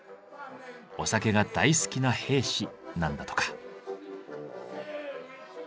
お酒が大好きな兵士なんだとか。